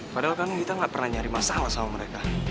padahal kan kita nggak pernah nyari masalah sama mereka